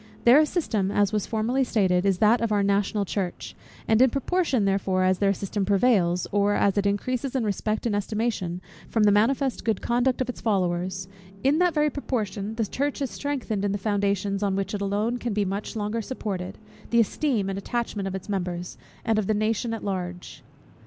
Their system, as was formerly stated, is that of our national church: and in proportion, therefore, as their system prevails, or as it increases in respect and estimation, from the manifest good conduct of its followers; in that very proportion the church is strengthened in the foundations, on which alone it can be much longer supported, the esteem and attachment of its members, and of the nation at large.